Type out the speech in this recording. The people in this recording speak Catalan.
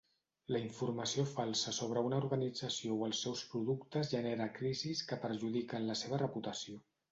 La informació falsa sobre una organització o els seus productes genera crisis que perjudiquen la seva reputació.